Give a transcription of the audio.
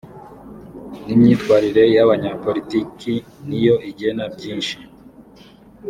nimyitwarire yabanyapolitiki niyo igena byinshi